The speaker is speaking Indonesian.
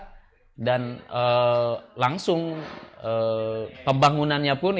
ketika kami ingin mendirikan sekolah gratis pada waktu itu